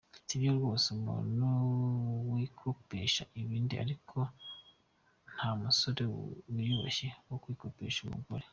Si byo rwose umuntu yikopesha ibindi ariko nta musore wiyubashye wo kwikopesha umugore.